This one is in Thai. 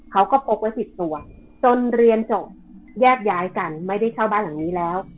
เขาก็พกไว้๑๐ตัวจนเรียนจบแยกย้ายกันไม่ได้เช่าบ้านหลังนี้แล้ว